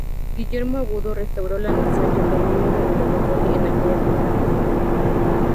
Guillermo Agudo restauró la misión y el dominio de la metrópoli en aquella contra-costa.